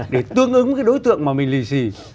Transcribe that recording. để tương ứng cái đối tượng mà mình lì xì